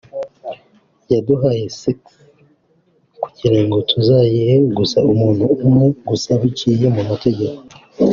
yaduhaye sex kugirango tuzayihe gusa umuntu umwe gusa biciye mu mategeko